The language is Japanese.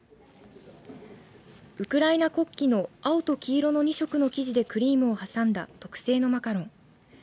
ウクライナ国旗の青と黄色の２色の生地でクリームを挟んだ特製のマカロン